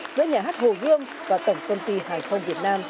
giữa nhà hát hồ gươm và tổng công ty hải phòng việt nam